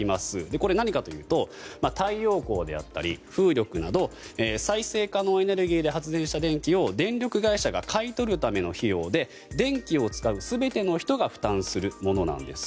これは何かというと太陽光であったり風力など再生可能エネルギーで発電した電気を電力会社が買い取るための費用で電気を使う全ての人が負担するものなんです。